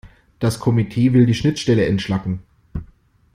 Das Komitee will die Schnittstelle entschlacken.